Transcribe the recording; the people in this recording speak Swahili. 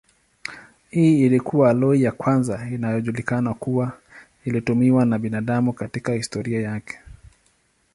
Hii ilikuwa aloi ya kwanza inayojulikana kuwa ilitumiwa na binadamu katika historia yake.